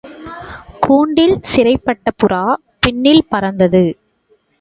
கூண்டில் சிறைப்பட்ட புறா விண்ணில் பறந்தது.